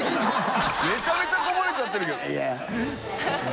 めちゃめちゃこぼれちゃってるけど。